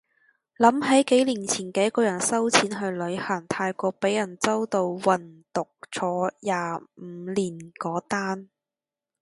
諗起幾年前幾個人收錢去旅行，泰國被人周到運毒坐廿五年嗰單